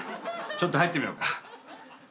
ちょっと入ってみようかウーン。